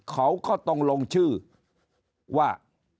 เขาก็ต้องลงชื่อว่า